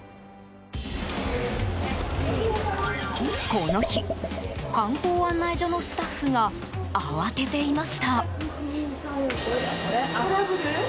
この日、観光案内所のスタッフが慌てていました。